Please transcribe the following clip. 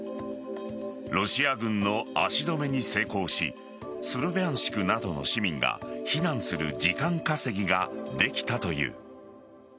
ロシア軍の足止めに成功しスロビャンシクなどの市民が避難する時間稼ぎができたという。